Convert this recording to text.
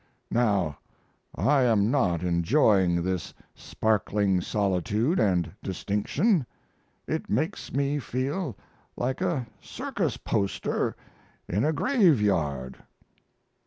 Now I am not enjoying this sparkling solitude and distinction. It makes me feel like a circus poster in a graveyard."